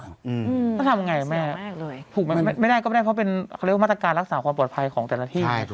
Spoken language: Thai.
มันทำแหงไหมถูกขึ้นมากไม่ได้เพราะเป็นเขาเรียกว่ามาตรการรักษาของความปลอดภัยของแต่ละที่